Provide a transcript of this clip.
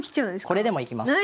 これでもいきます。